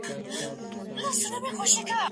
زه بايد سبزیحات وچوم!؟